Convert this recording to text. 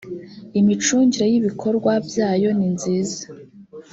imicungire y’ ibikorwa byayo ninziza